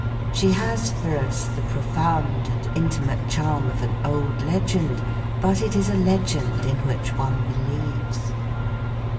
She has for us the profound and intimate charm of an old legend, but it is a legend in which one believes.